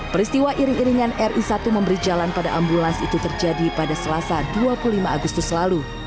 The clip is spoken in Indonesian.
peristiwa iring iringan ri satu memberi jalan pada ambulans itu terjadi pada selasa dua puluh lima agustus lalu